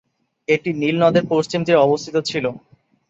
এটি নীল নদের পশ্চিম তীরে অবস্থিত ছিল।